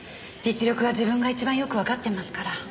実力は自分が一番よくわかってますから。